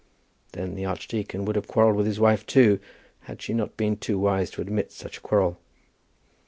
Then the archdeacon would have quarrelled with his wife too, had she not been too wise to admit such a quarrel.